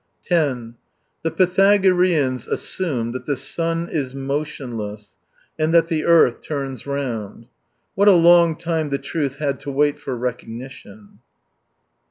10 The Pythagoreans assumed that the sun is motionless and that the earth turns round. What a long time the truth had to wait for recognition